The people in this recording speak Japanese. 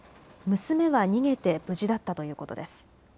娘は逃げて無事だったということです。